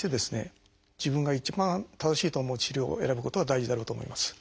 自分が一番正しいと思う治療を選ぶことが大事だろうと思います。